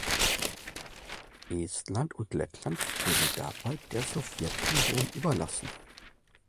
Estland und Lettland wurden dabei der Sowjetunion überlassen.